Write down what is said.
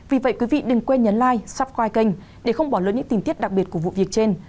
vì vậy quý vị đừng quên nhấn like supy kênh để không bỏ lỡ những tình tiết đặc biệt của vụ việc trên